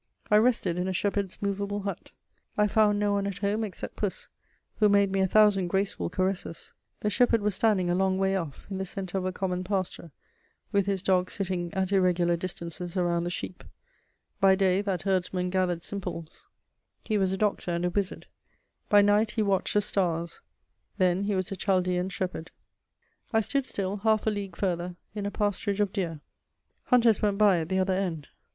I rested in a shepherd's movable hut; I found no one at home except Puss, who made me a thousand graceful caresses. The shepherd was standing a long way off, in the centre of a common pasture, with his dogs sitting at irregular distances around the sheep; by day that herdsman gathered simples: he was a doctor and a wizard; by night, he watched the stars: then he was a Chaldean shepherd. [Sidenote: A weary journey.] I stood still, half a league farther, in a pasturage of deer: hunters went by at the other end.